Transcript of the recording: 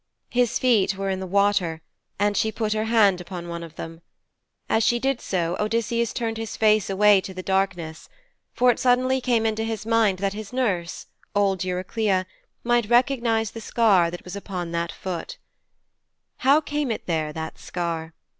His feet were in the water, and she put her hand upon one of them. As she did so, Odysseus turned his face away to the darkness, for it suddenly came into his mind that his nurse, old Eurycleia, might recognize the scar that was upon that foot. How came it there, that scar?